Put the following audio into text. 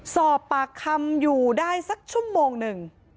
สอบปากคำอยู่ได้สักชั่วโมงหนึ่ง